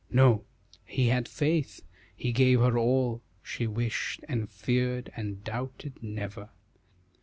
No, he had faith, he gave her all She wished, and feared and doubted never.